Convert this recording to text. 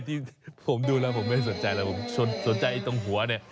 ที่ผมดูแล้วผมไม่สนใจแล้วผมสนใจตรงหัวเนี่ย